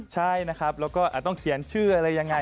ใช่นะครับแล้วก็ต้องเขียนชื่ออะไรยังไง